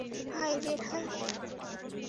High, ডেনহাই।